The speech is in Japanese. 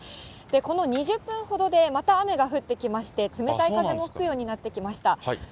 この２０分ほどでまた雨が降ってきまして、冷たい風も吹くようになってきました。